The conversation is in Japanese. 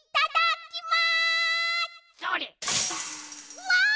うわ！